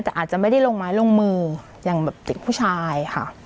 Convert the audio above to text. แต่อาจจะไม่ได้ลงไม้ลงมืออย่างแบบเด็กผู้ชายค่ะ